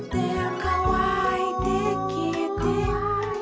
「かわいてきえて」